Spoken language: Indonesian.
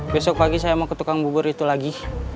besok pagi saya mau ke tukang bubur itu lagi